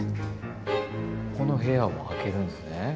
この部屋を開けるんですね。